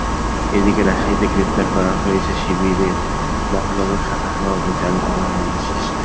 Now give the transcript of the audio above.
এদিকে, রাজশাহীতে গ্রেপ্তার করা হয়েছে শিবিরের মহানগর শাখার সভাপতি আনিসুর রহমান বিশ্বাসকে।